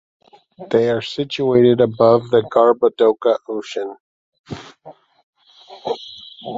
They are situated above the Garbhodaka ocean.